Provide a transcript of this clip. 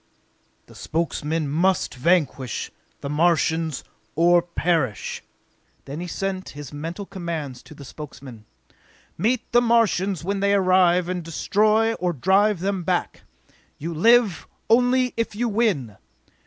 The Spokesmen must vanquish the Martians or perish!" Then he sent his mental commands to the Spokesmen: "Meet the Martians when they arrive and destroy or drive them back! You live only if you win!